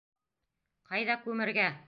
Ҡайҙа күмергә?